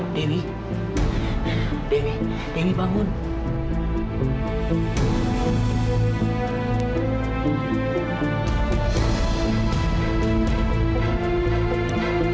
udah terserah kamu terserah kamu